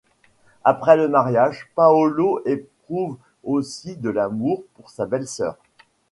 Après le mariage, Paolo éprouve aussi de l'amour pour sa belle-sœur.